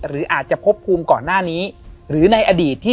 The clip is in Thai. เพราะเท่าที่ฟังดู